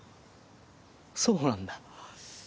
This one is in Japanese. そうなんだ。